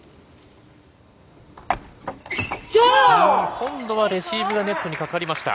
今度はレシーブがネットにかかりました。